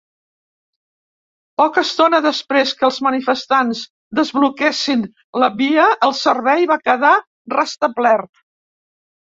Poca estona després que els manifestants desbloquessin la via, el servei va quedar restablert.